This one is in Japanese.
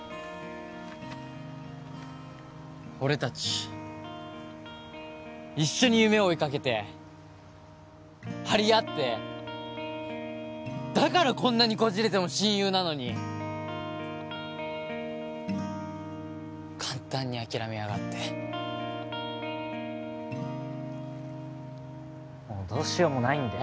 俺達一緒に夢追いかけて張り合ってだからこんなにこじれても親友なのに簡単に諦めやがってもうどうしようもないんだよ